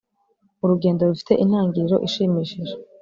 urugendo rufite intangiriro ishimishije